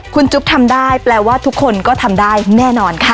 คุณจุ๊บทำได้แปลว่าทุกคนก็ทำได้แน่นอนค่ะ